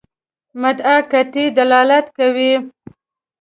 مدعا قطعي دلالت کوي.